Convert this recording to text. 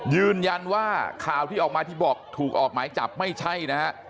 ยืนยันว่าข่าวที่ออกมาที่บอกถูกออกหมายจับไม่ใช่นะฮะ